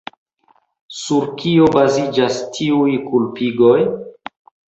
Sur kio baziĝas tiuj kulpigoj?